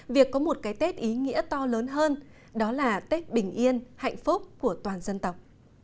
việc có một cái tết ý nghĩa to lớn hơn đó là tết bình yên hạnh phúc của toàn dân tộc